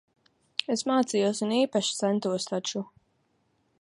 Es mācījos un īpaši centos taču.